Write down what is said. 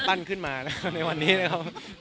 แป้นขึ้นมาในวันนี้นะครับ